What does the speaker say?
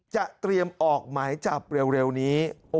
เตรียมออกหมายจับเร็วนี้